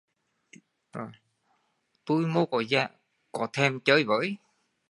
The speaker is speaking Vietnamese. Đồ nớ tui mô có thèm chơi với